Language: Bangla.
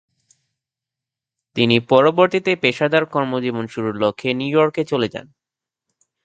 তিনি পরবর্তীতে পেশাদার কর্মজীবন শুরুর লক্ষ্যে নিউ ইয়র্কে চলে যান।